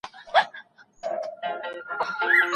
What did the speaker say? هغه تر تا پخپله اوږه ډېري مڼې وړي.